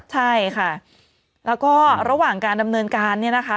ใช่ค่ะแล้วก็ระหว่างการดำเนินการเนี่ยนะคะ